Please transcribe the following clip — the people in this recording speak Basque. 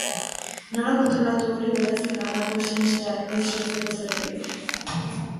Nola kontrolatu hori beraz eta halako sinesteak ez sortzeko zer egin?